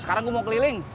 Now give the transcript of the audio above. sekarang gue mau keliling